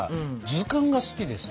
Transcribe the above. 図鑑が好きでさ。